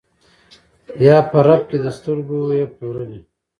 یا په رپ کي یې د سترګو یې پلورلی